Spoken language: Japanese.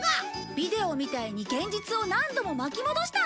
ビデオみたいに現実を何度も巻き戻したんだ